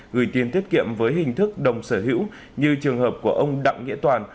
gửi tiền tiết kiệm với hình thức đồng sở hữu như trường hợp của ông đặng nghĩa toàn